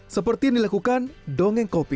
seperti yang dilakukan dongeng kopi